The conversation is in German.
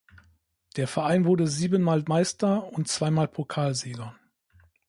Der Verein wurde siebenmal Meister und zweimal Pokalsieger.